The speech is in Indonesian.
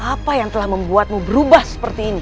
apa yang telah membuatmu berubah seperti ini